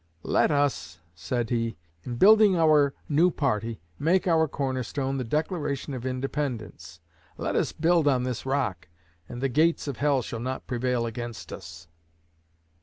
"Let us," said he, "in building our new party make our cornerstone the Declaration of Independence; let us build on this rock, and the gates of hell shall not prevail against us."